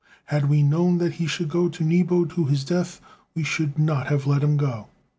Had we known that he should go to Nebo to his death, we should not have let him go.